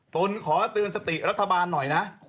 นขอเตือนสติรัฐบาลหน่อยนะ